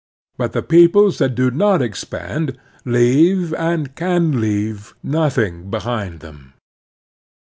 But the peoples that do not expand leave, and can leave, nothing behind them.